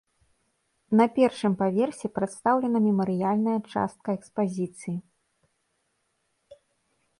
На першым паверсе прадстаўлена мемарыяльная частка экспазіцыі.